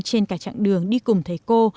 trên cả trạng đường đi cùng thầy cô